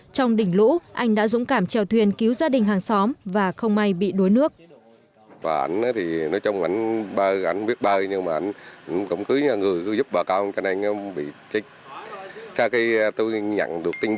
trong đỉnh lũ anh đã dũng cảm trèo thuyền cứu gia đình hàng xóm và không may bị đuối nước